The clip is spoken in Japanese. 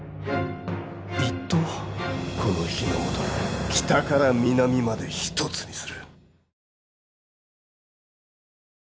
この日ノ本を北から南まで一つにする。